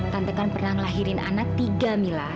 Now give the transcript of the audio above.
tante kan pernah ngelahirin anak tiga mila